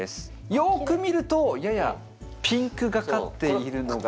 よく見るとややピンクがかっているのが。